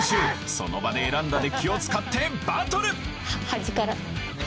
その場で選んだデッキを使ってバトル端から。